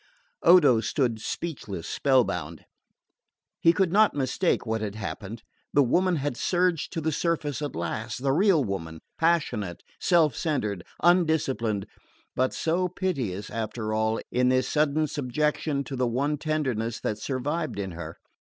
Odo stood speechless, spell bound. He could not mistake what had happened. The woman had surged to the surface at last the real woman, passionate, self centred, undisciplined, but so piteous, after all, in this sudden subjection to the one tenderness that survived in her.